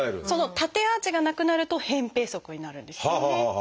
その縦アーチがなくなると扁平足になるんですよね。